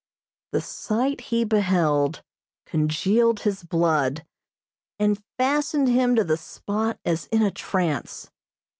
The sight he beheld congealed his blood, and fastened him to the spot as in a trance.